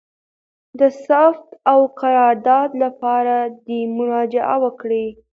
د ثبت او قرارداد لپاره دي مراجعه وکړي: